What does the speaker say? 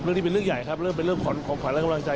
เรื่องนี้เป็นเรื่องใหญ่ครับเริ่มเป็นเรื่องของขวัญและกำลังใจ